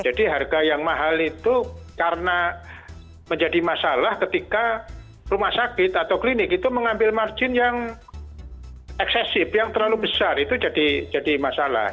jadi harga yang mahal itu karena menjadi masalah ketika rumah sakit atau klinik itu mengambil margin yang eksesif yang terlalu besar itu jadi masalah